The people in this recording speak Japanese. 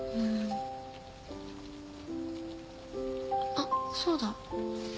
あっそうだ。